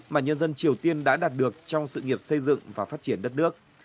mà nhân dân triều tiên đã đạt được trong sự nghiệp xây dựng và phát triển đất nước